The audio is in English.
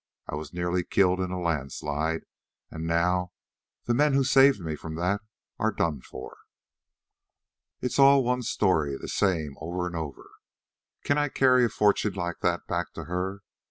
I was nearly killed in a landslide, and now the men who saved me from that are done for. "It's all one story, the same over and over. Can I carry a fortune like that back to her?